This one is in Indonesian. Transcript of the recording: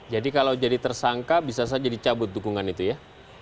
jadi kalau jadi tersangka bisa saja dicabut dukungan itu ya